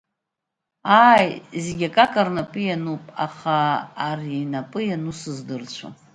Ааи, зегьы акака рнапы иануп, аха ари инапы иану сыздырцәом.